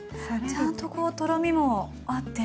ちゃんとこうとろみもあって。